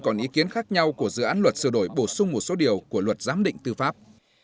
còn ý kiến khác nhau của dự án luật sửa đổi bổ sung một số điều của luật giám định tư pháp